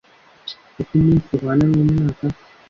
uko umunsi uhwana n umwaka